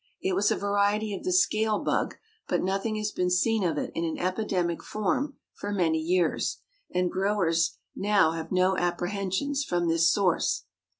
It was a variety of the scale bug; but nothing has been seen of it in an epidemic form for many years, and growers now have no apprehensions from this source.